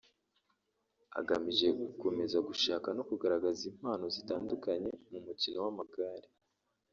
agamije gukomeza gushaka no kugaragaza impano zitandukanye mu mukino w’amagare